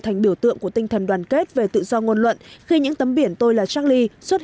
thành biểu tượng của tinh thần đoàn kết về tự do ngôn luận khi những tấm biển tôi là charley xuất